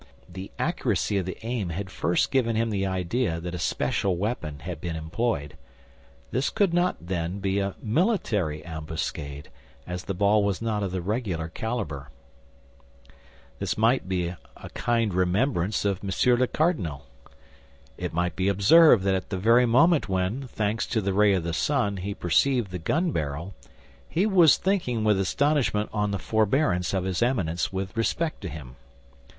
The accuracy of the aim had first given him the idea that a special weapon had been employed. This could not, then, be a military ambuscade, as the ball was not of the regular caliber. This might be a kind remembrance of Monsieur the Cardinal. It may be observed that at the very moment when, thanks to the ray of the sun, he perceived the gun barrel, he was thinking with astonishment on the forbearance of his Eminence with respect to him.